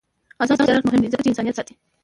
آزاد تجارت مهم دی ځکه چې انسانیت ساتي.